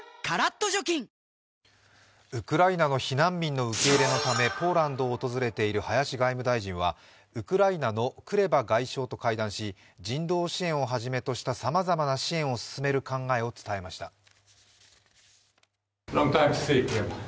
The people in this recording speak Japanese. カラッと除菌ウクライナの避難民の受け入れのためポーランドを訪れている林外務大臣はウクライナのクレバ外相と会談し人道支援をはじめとしたさまざまな支援を進める考えを伝えました。